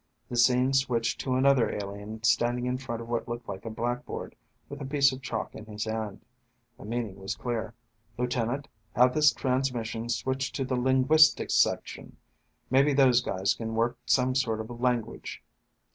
The scene switched to another alien standing in front of what looked like a blackboard, with a piece of chalk in his hand. The meaning was clear. "Lieutenant, have this transmission switched to the linguistics section. Maybe those guys can work some sort of language."